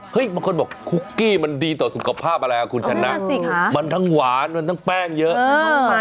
บางคนบอกคุกกี้มันดีต่อสุขภาพอะไรอ่ะคุณชนะมันทั้งหวานมันทั้งแป้งเยอะ